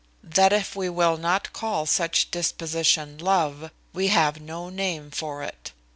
That if we will not call such disposition love, we have no name for it.